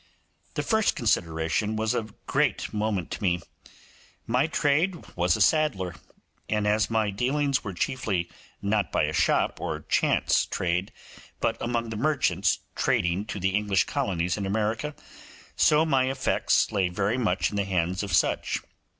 The first consideration was of great moment to me; my trade was a saddler, and as my dealings were chiefly not by a shop or chance trade, but among the merchants trading to the English colonies in America, so my effects lay very much in the hands of such.